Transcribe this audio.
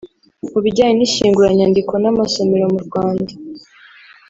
mu bijyanye n’ishyinguranyandiko n’amasomero mu Rwanda